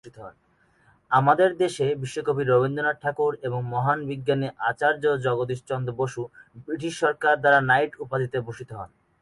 আমাদের দেশে বিশ্বকবি রবীন্দ্রনাথ ঠাকুর এবং মহান বিজ্ঞানী আচার্য জগদীশ চন্দ্র বসু ব্রিটিশ সরকার দ্বারা নাইট উপাধিতে ভূষিত হন।